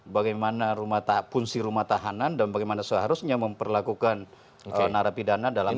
bagaimana fungsi rumah tahanan dan bagaimana seharusnya memperlakukan narapidana dalam